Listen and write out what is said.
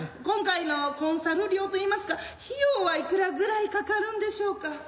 今回のコンサル料といいますか費用はいくらぐらいかかるんでしょうか？